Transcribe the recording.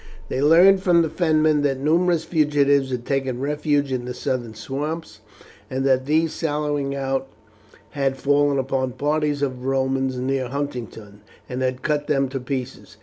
They learned from the Fenmen that numerous fugitives had taken refuge in the southern swamps, and that these sallying out had fallen upon parties of Romans near Huntingdon, and had cut them to pieces.